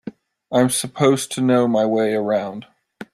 I'm supposed to know my way around.